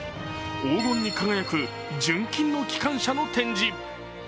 黄金に輝く純金の機関車の展示。